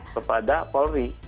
untuk mengatasi polri